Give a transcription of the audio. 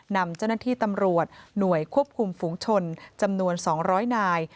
นำเจ้าหน้าที่ตำรวจหน่วยควบคุมฝุงชนจำนวน๒๐๐นาย